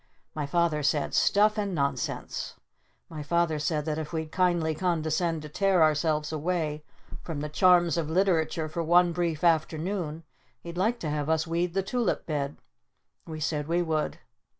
My Father said "Stuff and Nonsense!" My Father said that if we'd kindly condescend to tear ourselves away from the Charms of Literature for one brief afternoon he'd like to have us weed the Tulip Bed. We said we would.